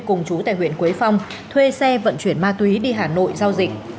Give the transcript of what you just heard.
cùng chú tại huyện quế phong thuê xe vận chuyển ma túy đi hà nội giao dịch